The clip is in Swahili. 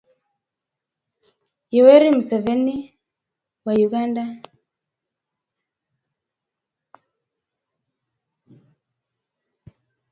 Yoweri Museveni wa Uganda na Paul Kagame wa Rwanda